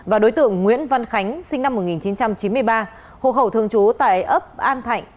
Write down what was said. và đối tượng nguyễn văn khánh sinh năm một nghìn chín trăm chín mươi ba hộ khẩu thường trú tại ấp an thạnh